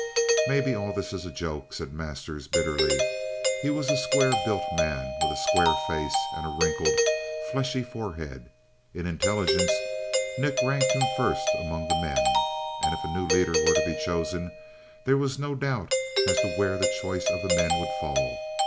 "Maybe all this is a joke," said Masters bitterly. He was a square built man, with a square face and a wrinkled, fleshy forehead. In intelligence, Nick ranked him first among the men. And if a new leader were to be chosen there was no doubt as to where the choice of the men would fall.